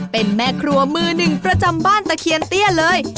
เป็นแม่ครัวมือหนึ่งประจำบ้านตะเคียนเตี้ยเลย